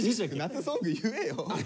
夏ソング言えよ。